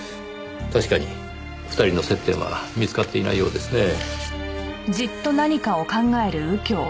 確かに２人の接点は見つかっていないようですねぇ。